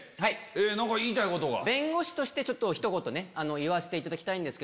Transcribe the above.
弁護士としてひと言言わせていただきたいんです。